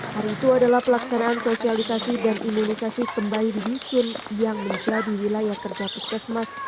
hari itu adalah pelaksanaan sosialisasi dan imunisasi kembali di dusun yang menjadi wilayah kerja puskesmas